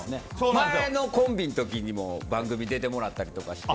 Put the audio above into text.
前のコンビの時にも番組出てもらったりして。